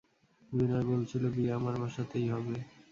বিনয় বলছিল বিয়ে আমার বাসাতেই হবে।